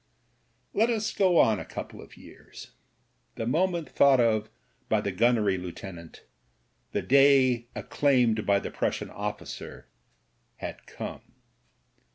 RETRIBUTION 173 Let us go on a couple of years. The moment thought of by the gunnery lieutenant, the day ac claimed by the Prussian officer had come.